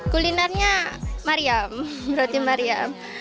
kulinernya maryam roti maryam